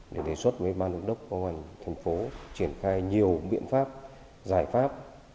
để đề xuất với ban đức đốc hoàng hoàng thành phố triển khai nhiều biện pháp giải pháp